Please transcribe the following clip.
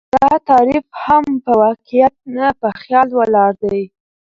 دا تعريف هم په واقعيت نه، په خيال ولاړ دى